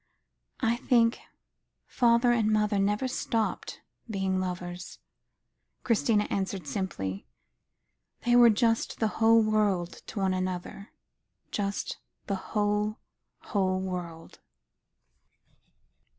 "I think father and mother never stopped being lovers," Christina answered simply. "They were just the whole world to one another, just the whole whole world."